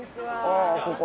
ああここ？